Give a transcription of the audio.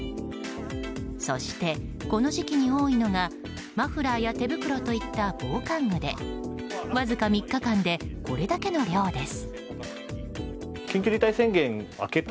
そして、この時期に多いのがマフラーや手袋といった防寒具でわずか３日間でこれだけの量です。